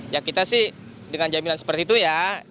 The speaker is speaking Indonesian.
ya kita sih dengan jaminan seperti itu ya